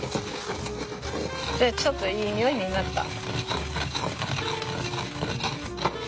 でちょっといい匂いになった！